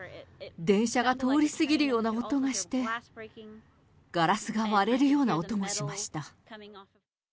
電車が通り過ぎるような音がして、ガラスが割れるような音もしました。